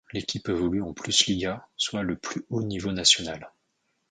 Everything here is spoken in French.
L'équipe évolue en PlusLiga, soit le plus haut niveau national.